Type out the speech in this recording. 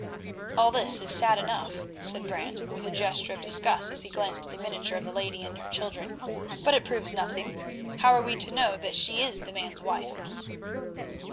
"All this is sad enough," said Brant with a gesture of disgust as he glanced at the miniature of the lady and her children, "but it proves nothing. How are we to know that she is the man's wife?"